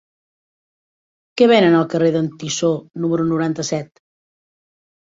Què venen al carrer d'en Tissó número noranta-set?